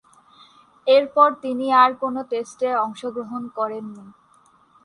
এরপর তিনি আর কোন টেস্টে অংশগ্রহণ করেননি।